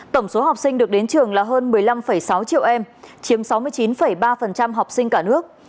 tổng số học sinh được đến trường là hơn một mươi năm sáu triệu em chiếm sáu mươi chín ba học sinh cả nước